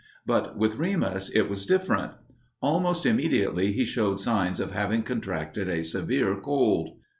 But with Remus it was different. Almost immediately he showed signs of having contracted a severe cold.